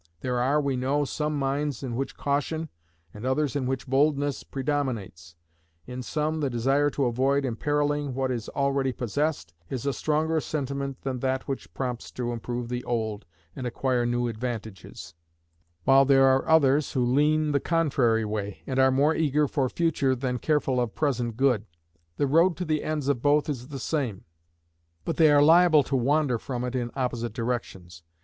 There are, we know, some minds in which caution, and others in which boldness, predominates; in some, the desire to avoid imperilling what is already possessed is a stronger sentiment than that which prompts to improve the old and acquire new advantages; while there are others who lean the contrary way, and are more eager for future than careful of present good. The road to the ends of both is the same; but they are liable to wander from it in opposite directions.